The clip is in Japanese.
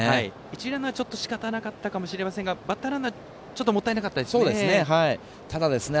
一塁ランナーはしかたなかったかもしれませんがバッターランナーはちょっともったいなかったですね。